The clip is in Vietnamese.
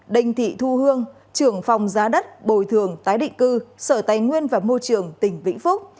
đình thị thu hương trưởng phòng giá đất bồi thường tái định cư sở tài nguyên và môi trường tỉnh vĩnh phúc